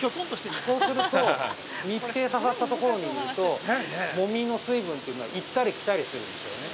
そうすると、密閉されたところにいるともみの水分というのは行ったり来たりするんですよね。